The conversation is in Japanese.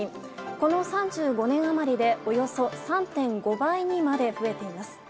この３５年余りでおよそ３．５倍にまで増えています。